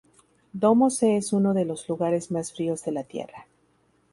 Domo C es uno de los lugares más fríos de la Tierra.